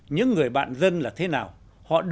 những người bạn dân là thế nào